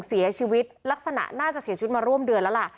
เสียชีวิตลักษณะน่าจะเสียชีวิตมาร่วมเดือนแล้วล่ะ